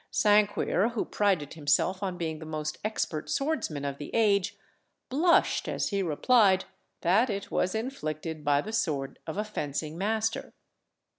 Sanquir, who prided himself on being the most expert swordsman of the age, blushed as he replied that it was inflicted by the sword of a fencing master.